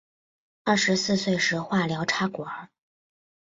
二十四岁时化疗插管